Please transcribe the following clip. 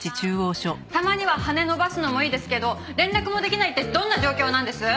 たまには羽伸ばすのもいいですけど連絡もできないってどんな状況なんです？